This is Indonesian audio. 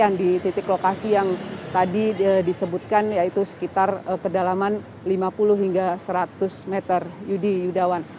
dan juga dari titik lokasi yang tadi disebutkan yaitu sekitar kedalaman lima puluh hingga seratus meter yudi yudawan